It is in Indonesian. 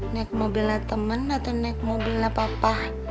naik mobilnya temen atau naik mobilnya papa